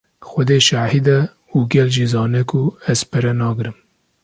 Xwedê şahîd e û gel jî zane ku ez pere nagrim.